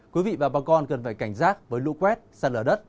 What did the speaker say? quý vị và bà con cần phải cảnh giác với lũ quét sạt lở đất